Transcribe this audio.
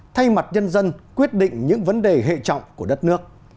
thay mặt nhân dân quyết định những vấn đề hệ trọng của đất nước